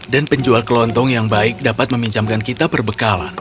dan penjual kelontong yang baik dapat meminjamkan kita perbekalan